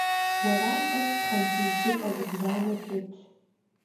Уэрам къэс пхъэнкӏий идзыпӏэ зыбжанэ тетщ.